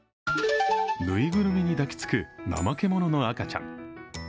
ぬいぐるみに抱きつくナマケモノの赤ちゃん。